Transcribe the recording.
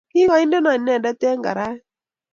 kigaindeno inendet eng karait